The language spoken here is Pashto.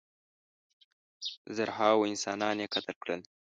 زرهاوو انسانان یې قتل کړل.